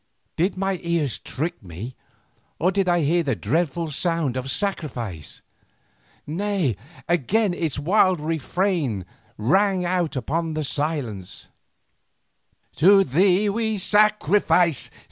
Did my ears trick me, or did I hear the dreadful song of sacrifice? Nay, again its wild refrain rang out upon the silence: To Thee we sacrifice!